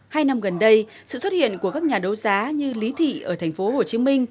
hai năm gần đây sự xuất hiện của các nhà đấu giá như lý thị ở tp hcm